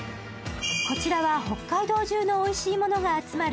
こちらは北海道中のおいしいものが集まる